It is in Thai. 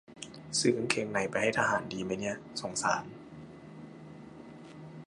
ซื้อกางเกงในไปให้ทหารดีมั้ยเนี่ย สงสาร